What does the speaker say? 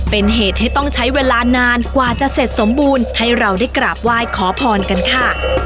เป็นเหตุให้ต้องใช้เวลานานกว่าจะเสร็จสมบูรณ์ให้เราได้กราบไหว้ขอพรกันค่ะ